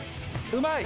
うまい！